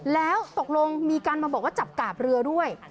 แล้วตกลงมีการมาบอกว่าจับกาบเรือด้วย